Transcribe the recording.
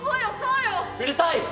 「うるさい！